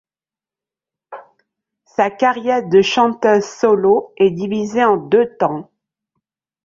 Sa carrière de chanteuse solo est divisée en deux temps.